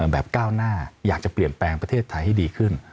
ก้าวหน้าอยากจะเปลี่ยนแปลงประเทศไทยให้ดีขึ้น